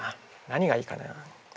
何がいいかな。